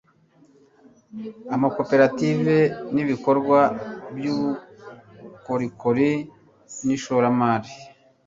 amakoperative n' ibikorwa by'ubukorikori n'ishoramari